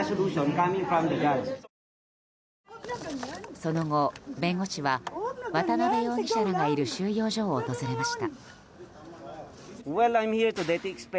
その後、弁護士は渡邉容疑者らがいる収容所を訪れました。